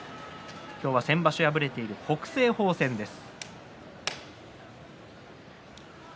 今日は先場所敗れている北青鵬戦です。